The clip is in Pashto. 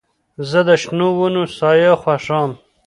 زه د شنو ونو سایه خوښوم.